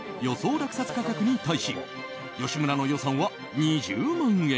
落札価格に対し吉村の予算は２０万円。